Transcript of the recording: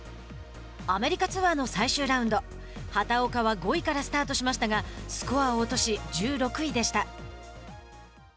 アメリカツアーの最終ラウンド畑岡は５位からスタートしましたがスコアを落とし１６位でした。